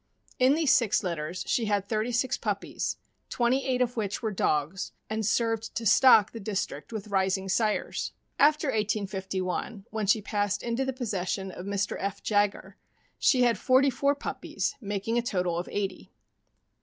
In these six litters she had thirty six puppies, twTenty eight of which were dogs, and served to stock the district with rising sires. After 1851, when she passed into the possession of Mr. F. Jaggar, she had forty four puppies, making a total of eighty.